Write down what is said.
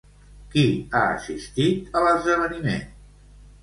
Qui ha assistit a l'esdeveniment?